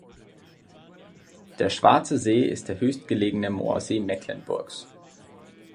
Der Schwarze See ist der höchstgelegene Moorsee Mecklenburgs.